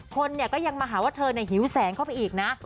คนก็ยังมาหาว่าเธอหิวแสงเข้าไปอีกนะ